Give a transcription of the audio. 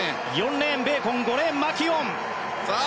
４レーン、ベーコン５レーン、マキュオン。